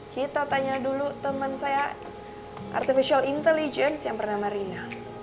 kita tanya dulu teman saya artificial intelligence yang bernama rina